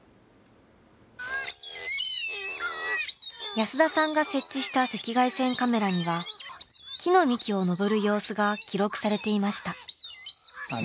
安田さんが設置した赤外線カメラには木の幹を登る様子が記録されていました。